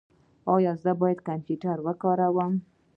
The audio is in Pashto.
ایا زه باید کمپیوټر وکاروم؟